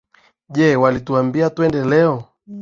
Je, walituambia twende leo?